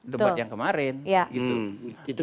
debat yang kemarin gitu